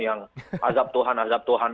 yang azab tuhan azab tuhan